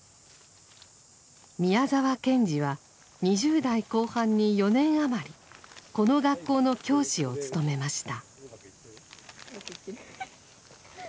宮沢賢治は２０代後半に４年余りこの学校の教師を務めました。